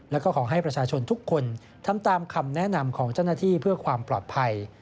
แล้วก็ขอให้ประชาชนทุกคนทำตามคำแนะนำของเจ้าหน้าที่เพื่อความปลอดภัย